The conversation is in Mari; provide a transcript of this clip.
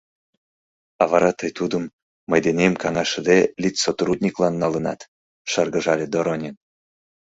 — А вара тый тудым, мый денем каҥашыде, литсотрудниклан налынат, — шыргыжале Доронин.